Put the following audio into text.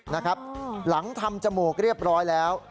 หลังทำจมูกเรียบร้อยแล้ว